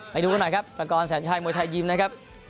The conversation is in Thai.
ไปดูกันหน่อยครับปากกรณ์แสนชัยมวยไทยยิมนะครับ